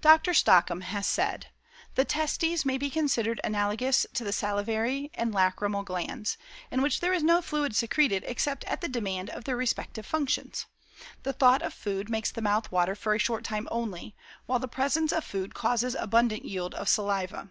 Dr. Stockham has said: "The testes may be considered analogous to the salivary and lachrymal glands, in which there is no fluid secreted except at the demand of their respective functions. The thought of food makes the mouth water for a short time only, while the presence of food causes abundant yield of saliva.